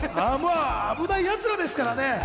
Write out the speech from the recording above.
危ないやつらですからね。